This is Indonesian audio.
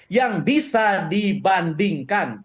yang bisa dibandingkan